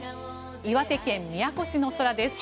岩手県宮古市の空です。